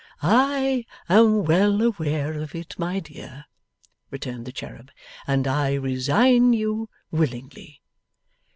'I am well aware of it, my dear,' returned the cherub, 'and I resign you willingly.